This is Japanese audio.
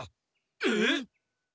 えっ！？